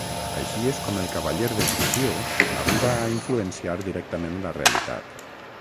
Així és com el cavaller de ficció arriba a influenciar directament la realitat.